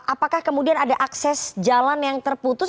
apakah kemudian ada akses jalan yang terputus